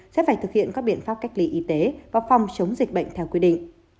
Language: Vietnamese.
sẽ phải thực hiện các biện pháp cách ly y tế và phòng chống dịch bệnh theo quy định